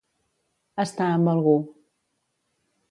Estar amb algú.